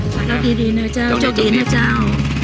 ของเราดีนะเจ้าโจ๊กดีนะเจ้า